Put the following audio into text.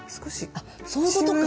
あっそういうことか！